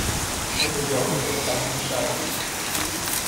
É melhor trocarmos chaves.